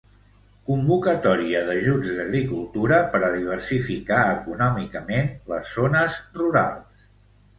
Convocatòria d'ajuts d'Agricultura per a diversificar econòmicament les zones rurals.